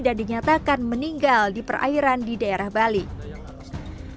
dan dinyatakan meninggal di perairan di daerah won cs